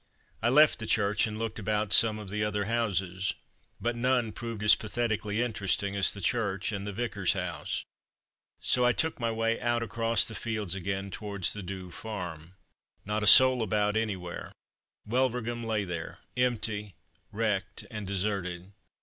I left the church, and looked about some of the other houses, but none proved as pathetically interesting as the church and the vicar's house, so I took my way out across the fields again towards the Douve farm. Not a soul about anywhere. Wulverghem lay there, empty, wrecked and deserted.